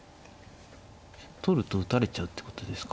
取ると打たれちゃうってことですか。